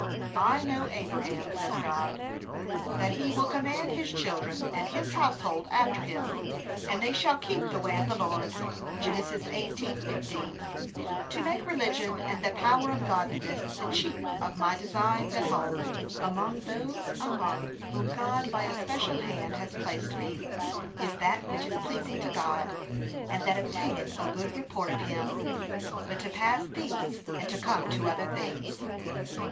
'I know Abraham,' says God, 'that he will command his children, and his household after him, and they shall keep the way of the Lord.' (Gen. 18:15) To make religion and the power of godliness the chief of my designs at home, among those among whom God by a special hand has placed me, is that which is pleasing to God, and that obtaineth a good report of him. But to pass these, and to come to other things.